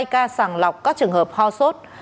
hai ca sàng lọc các trường hợp ho sốt